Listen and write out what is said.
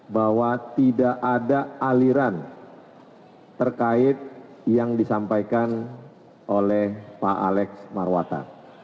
bahwa tidak ada aliran terkait yang disampaikan oleh pak alex marwata